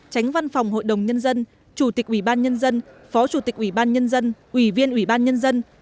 tránh văn phòng hội đồng nhân dân chủ tịch ủy ban nhân dân phó chủ tịch ủy ban nhân dân ủy viên ủy ban nhân dân